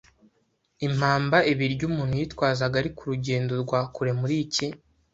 Impamba Ibiryo umuntu yitwazaga ari ku rugendo rwa kure Muri iki